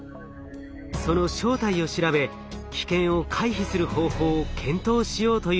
その正体を調べ危険を回避する方法を検討しようというのです。